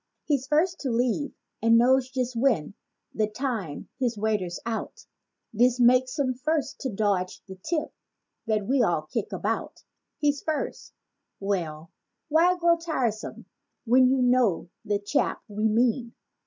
He's first to leave and knows just when—(the time his waiter's out) — This makes him first to dodge the tip that we all kick about. He's first—well why grow tiresome when you know the chap we mean.